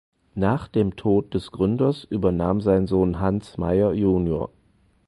Nach dem Tod des Gründers übernahm sein Sohn Hans Mayer jun.